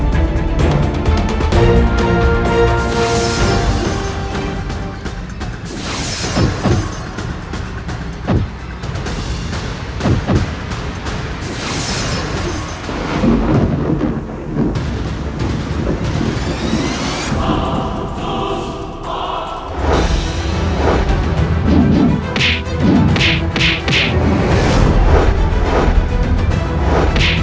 tidak perlu berpanjangbicara siliwangi